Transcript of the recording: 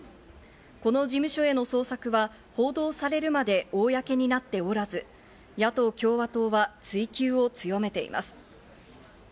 この事務所への捜索は報道されるまで公になっておらず、野党・共和党は追及を強めています。